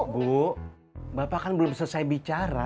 bu bapak kan belum selesai bicara